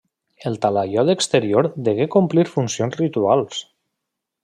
El talaiot exterior degué complir funcions rituals.